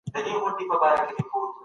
مورنۍ ژبه له مور زده کيږي.